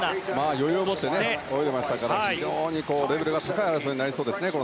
余裕を持って泳いでいましたからこの先も非常にレベルの高い争いになりそうですね。